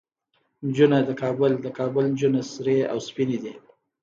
نجونه د کابل، د کابل نجونه سرې او سپينې دي